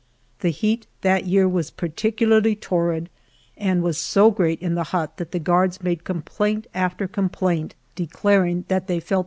The heat that year was particularly torrid, and was so great in the hut that the guards made complaint after com plaint, declaring that they felt their heads burst ^h'UA.